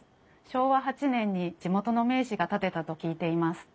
昭和８年に地元の名士が建てたと聞いています。